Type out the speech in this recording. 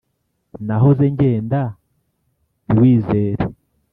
nahoze ngenda ntiwizere